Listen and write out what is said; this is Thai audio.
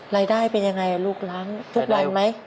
รายได้เป็นยังไงลูกล้างทุกวันไหม